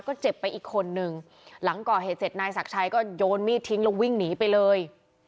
ก็เจ็บไปอีกคนนึงหลังก่อเหตุเสร็จนายศักดิ์ชัยก็โยนมีดทิ้งแล้ววิ่งหนีไปเลย